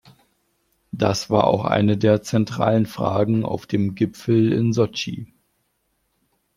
Das war auch eine der zentralen Fragen auf dem Gipfel in Sotschi.